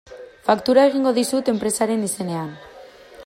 Faktura egingo dizut enpresaren izenean.